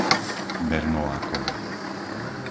Bernolákovo